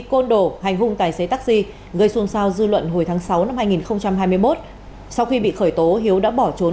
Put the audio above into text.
côn đổ hành hung tài xế taxi gây xuân sao dư luận hồi tháng sáu năm hai nghìn hai mươi một sau khi bị khởi tố hiếu đã bỏ trốn